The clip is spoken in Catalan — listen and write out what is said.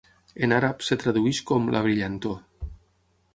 En àrab, es tradueix com 'la brillantor'.